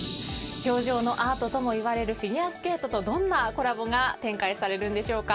氷上のアートともいわれるフィギュアスケートとどんなコラボが展開されるんでしょうか。